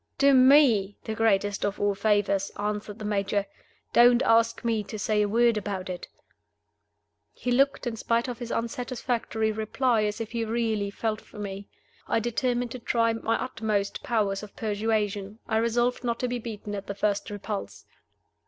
"Do me the greatest of all favors;" answered the Major. "Don't ask me to say a word about it." He looked, in spite of his unsatisfactory reply, as if he really felt for me. I determined to try my utmost powers of persuasion; I resolved not to be beaten at the first repulse.